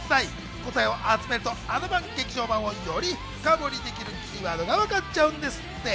答えを集めると『あな番劇場版』をより深掘りできるキーワードがわかっちゃうんですって！